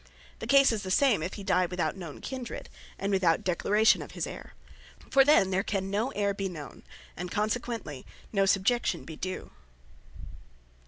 The case is the same, if he dye without known Kindred, and without declaration of his Heyre. For then there can no Heire be known, and consequently no Subjection be due.